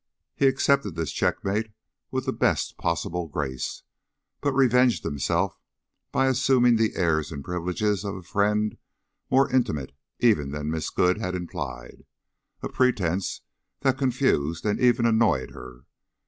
He accepted this checkmate with the best possible grace, but revenged himself by assuming the airs and privileges of a friend more intimate even than Miss Good had implied, a pretense that confused and even annoyed her.